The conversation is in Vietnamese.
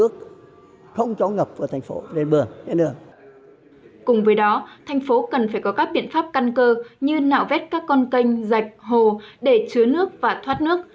cùng với đó thành phố cần phải có các biện pháp căn cơ như nạo vét các con canh dạch hồ để chứa nước và thoát nước